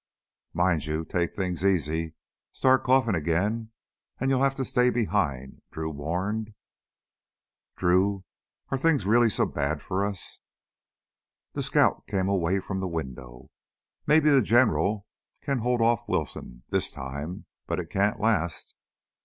"Mind you, take things easy! Start coughin' again, and you'll have to stay behind!" Drew warned. "Drew, are things really so bad for us?" The scout came away from the window. "Maybe the General can hold off Wilson ... this time. But it can't last.